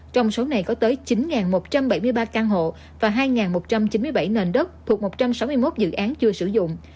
trong số này có tới chín một trăm bảy mươi ba căn hộ và hai một trăm chín mươi bảy nền đất thuộc một trăm sáu mươi một dự án chưa sử dụng